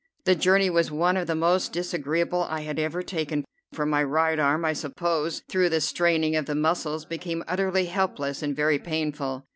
The journey was one of the most disagreeable I had ever taken, for my right arm I suppose through the straining of the muscles became utterly helpless and very painful.